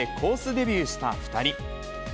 デビューした２人。